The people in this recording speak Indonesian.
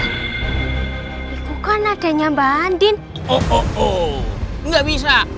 pintu gak akan saya buka kalau belum ada ingin dari pak bos